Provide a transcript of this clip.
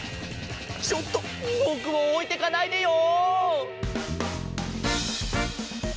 ちょっとぼくをおいてかないでよ！